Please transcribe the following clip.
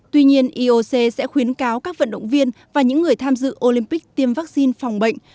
tuy nhiên ioc sẽ khuyến cáo các vận động viên và những người tham dự olympic tiêm vaccine phòng bệnh